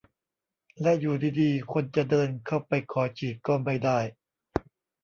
และอยู่ดีดีคนจะเดินเข้าไปขอฉีดก็ไม่ได้